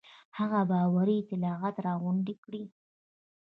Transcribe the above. هغه باوري اطلاعات راغونډ کړي.